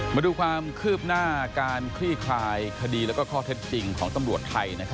มาดูความคืบหน้าการคลี่คลายคดีและข้อเท็จจริงของตำรวจไทย